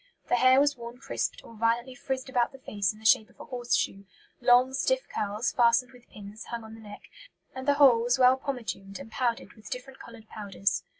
The hair was worn crisped or violently frizzed about the face in the shape of a horse shoe; long stiff curls, fastened with pins, hung on the neck; and the whole was well pomatumed and powdered with different coloured powders.